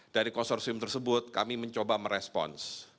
dari konsorsium tersebut kami mencoba merespons